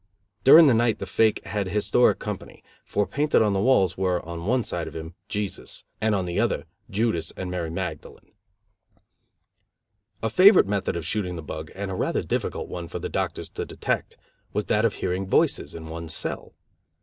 During the night the fake had historic company, for painted on the walls were, on one side of him, Jesus, and on the other, Judas and Mary Magdalene. A favorite method of shooting the bug, and a rather difficult one for the doctors to detect, was that of hearing voices in one's cell.